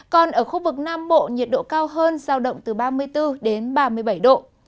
còn ở khu vực nam bộ nhiệt độ cao hơn giao động từ ba mươi bốn đến ba mươi bảy độ